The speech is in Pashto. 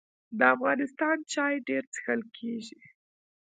د افغانستان چای ډیر څښل کیږي